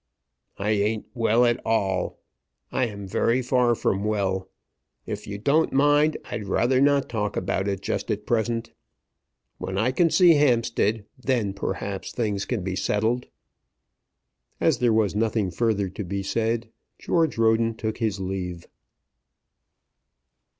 "I ain't well at all. I am very far from well. If you don't mind I'd rather not talk about it just at present. When I can see Hampstead, then, perhaps, things can be settled." As there was nothing further to be said George Roden took his leave.